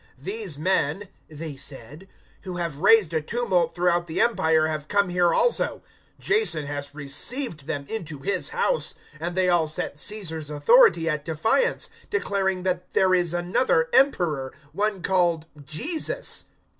"These men," they said, "who have raised a tumult throughout the Empire, have come here also. 017:007 Jason has received them into his house; and they all set Caesar's authority at defiance, declaring that there is another Emperor one called Jesus."